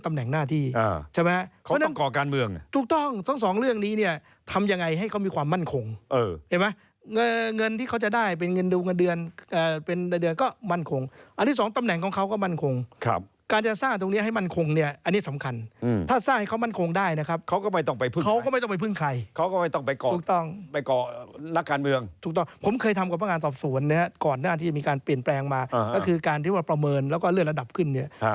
ถูกถูกถูกถูกถูกถูกถูกถูกถูกถูกถูกถูกถูกถูกถูกถูกถูกถูกถูกถูกถูกถูกถูกถูกถูกถูกถูกถูกถูกถูกถูกถูกถูกถูกถูกถูกถูกถูกถูกถูกถูกถูกถูกถูกถูกถูกถูกถูกถูกถูกถูกถูกถูกถูกถูก